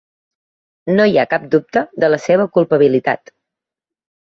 No hi ha cap dubte de la seva culpabilitat.